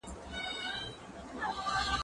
زه ښوونځی ته تللی دی!.